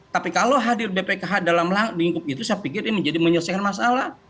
tapi kalau hadir bpkh dalam lingkup itu saya pikir ini menjadi menyelesaikan masalah